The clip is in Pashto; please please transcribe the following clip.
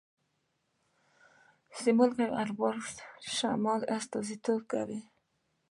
سیمرغ البرز د شمال استازیتوب کوي.